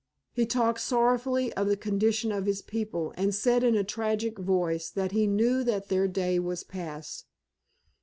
He talked sorrowfully of the condition of his people, and said in a tragic voice that he knew that their day was past.